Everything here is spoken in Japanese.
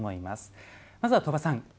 まずは鳥羽さん